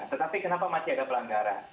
tetapi kenapa masih ada pelanggaran